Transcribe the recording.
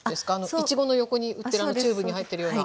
イチゴの横に売ってるあのチューブに入ってるような。